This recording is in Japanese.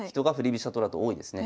飛車党だと多いですね。